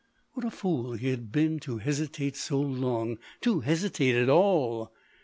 What a fool he had been to hesitate so long — to hesitate at all !